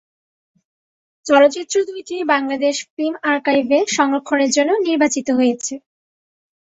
চলচ্চিত্র দুইটি বাংলাদেশ ফিল্ম আর্কাইভে সংরক্ষণের জন্য নির্বাচিত হয়েছে।